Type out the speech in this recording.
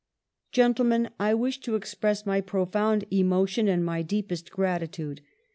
* "Gentlemen, I wish to express my profound emo tion and my deepest gratitude.